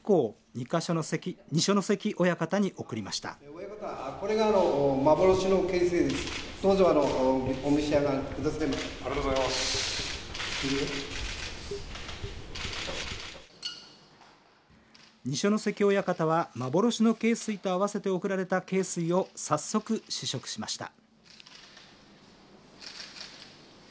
二所ノ関親方は幻の恵水と合わせて贈られた恵水を早速試食しました。